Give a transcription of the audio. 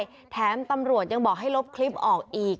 คนร้ายไม่ได้แถมตำรวจยังบอกให้ลบคลิปออกอีก